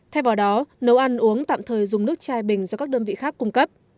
thay vào đó nấu ăn uống tạm thời dùng nước chai bình do các đơn vị khác cung cấp